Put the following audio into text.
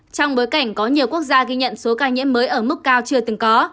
trong bối cảnh có nhiều quốc gia ghi nhận số ca nhiễm mới ở mức cao chưa từng có